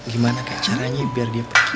gimana kayak caranya biar dia pergi